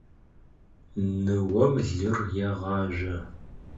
Nıom lır yêğazjo.